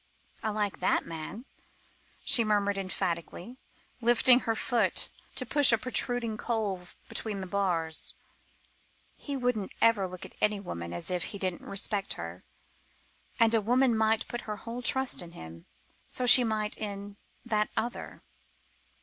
"I like that man," she murmured emphatically, lifting her foot to push a protruding coal between the bars; "he wouldn't ever look at any woman as if he didn't respect her, and a woman might put her whole trust in him; so she might in that other!"